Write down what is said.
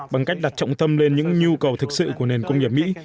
bằng cách đặt trọng tâm lên những nhu cầu thực sự của nền công nghiệp mỹ